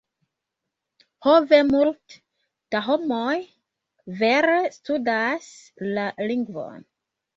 Ho ve, multe da homoj vere studas la lingvon.